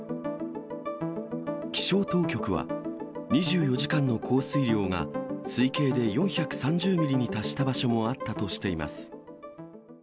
気象当局は、２４時間の降水量が、推計で４３０ミリに達した場所もあったとしています。